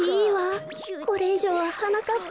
これいじょうははなかっぱが。